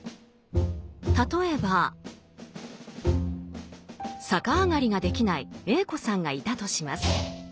例えば逆上がりができないＡ子さんがいたとします。